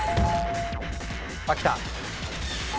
秋田。